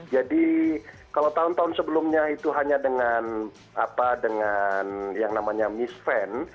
jadi kalau tahun tahun sebelumnya itu hanya dengan apa dengan yang namanya mist fan